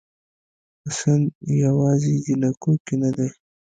حسن یوازې جینکو کې نه دی